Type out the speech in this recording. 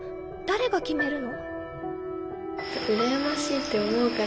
誰が決めるの？」。